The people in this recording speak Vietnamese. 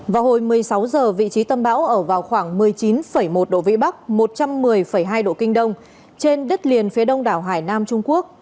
vào hồi một mươi sáu h vị trí tâm bão ở vào khoảng một mươi chín một độ vĩ bắc một trăm một mươi hai độ kinh đông trên đất liền phía đông đảo hải nam trung quốc